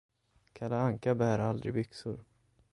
Kalle Anka bär aldrig byxor.